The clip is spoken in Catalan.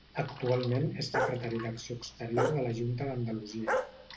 Actualment és secretari d'acció exterior de la Junta d'Andalusia.